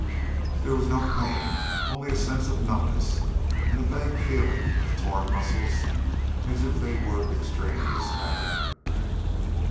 There was no pain only a sense of numbness and a vague feeling of torn muscles, as if they were extraneous matter.